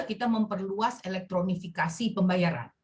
kita memperluas elektronifikasi pembayaran